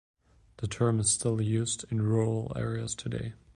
The term is still used in rural areas today.